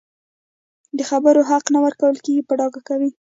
د خبرو حق نه ورکول په ډاګه کوي